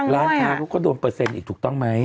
ร้านค้าเขาก็โดนเปอร์เซ็นต์อีกถูกต้องไหม